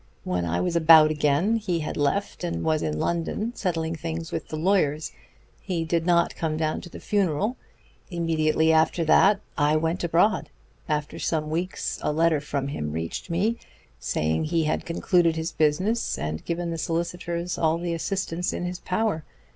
When I was about again he had left and was in London, settling things with the lawyers. He did not come down to the funeral. Immediately after that I went abroad. After some weeks a letter from him reached me, saying he had concluded his business and given the solicitors all the assistance in his power.